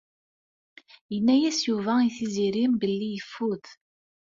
Yenna-as Yuba i Tiziri belli yeffud.